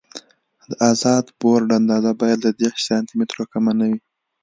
د ازاد بورډ اندازه باید له دېرش سانتي مترو کمه نه وي